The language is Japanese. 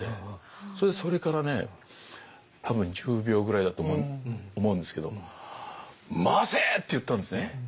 それでそれからね多分１０秒ぐらいだと思うんですけど「回せ！」って言ったんですね。